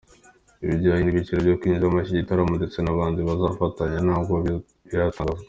Ibijyanye n’ibiciro byo kwinjira muri iki gitaramo ndetse n'abahanzi bazafatanya ntabwo biratangazwa.